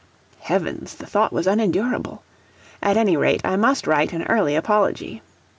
Heavens! the thought was unendurable! At any rate, I must write an early apology.